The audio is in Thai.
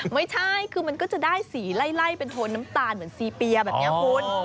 ไม่ใช่คือมันก็จะได้สีไล่เป็นโทนน้ำตาลเหมือนซีเปียแบบนี้คุณ